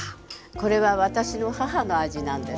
これは私の母の味なんです。